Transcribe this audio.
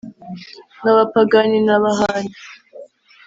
nk'abapagani n'ab'ahandi